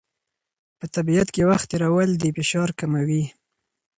په طبیعت کې وخت تېرول د فشار کموي.